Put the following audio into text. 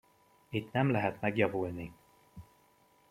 Itt nem lehet megjavulni!